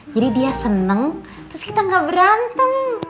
jadi dia seneng terus kita gak berantem